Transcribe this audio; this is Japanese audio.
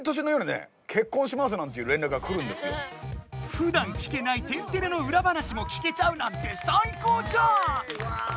ふだん聞けない「天てれ」の裏話も聞けちゃうなんて最高じゃん！